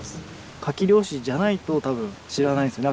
カキ漁師じゃないと多分知らないんすよね